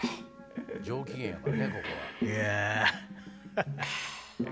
上機嫌やからねここは。ハハハ！